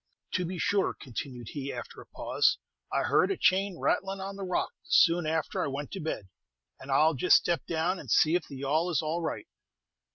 "To be sure," continued he, after a pause, "I heard a chain rattlin' on the rock soon after I went to bed, and I 'll Just step down and see if the yawl is all right."